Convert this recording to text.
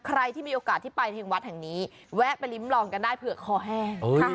ใครที่มีโอกาสที่ไปทางวัดแห่งนี้แวะไปริ้มลองกันได้เผื่อคอแห้ง